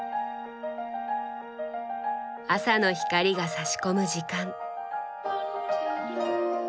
朝の光がさし込む時間。